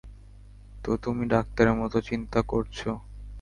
তো তুমি ডাক্তারের মতো চিন্তা করছো!